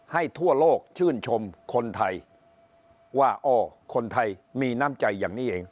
ทั่วโลกชื่นชมคนไทยว่าอ้อคนไทยมีน้ำใจอย่างนี้เอง